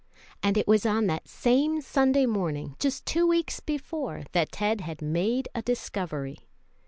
And it was on that same Sunday morning, just two weeks before, that Ted had made a discovery.